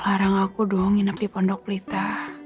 larang aku dong nginep di pendok pelita